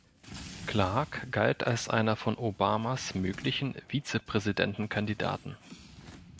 Clark galt als einer von Obamas möglichen Vizepräsidentenkandidaten.